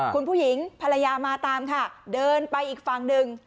คุณผู้หญิงภรรยามาตามค่ะเดินไปอีกฝั่งหนึ่ง